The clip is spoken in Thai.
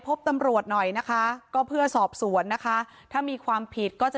พบตำรวจหน่อยนะคะก็เพื่อสอบสวนนะคะถ้ามีความผิดก็จะ